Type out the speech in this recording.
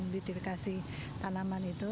dikasih tanaman itu